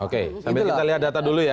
oke sambil kita lihat data dulu ya